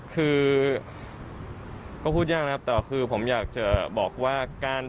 คือก็พูดยากนะครับแต่คือผมอยากจะบอกว่า